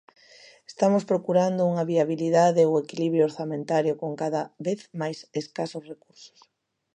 Estamos procurando unha viabilidade ou equilibrio orzamentario con cada vez máis escasos recursos.